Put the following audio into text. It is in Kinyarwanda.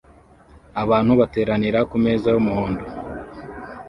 Abantu bateranira kumeza yumuhondo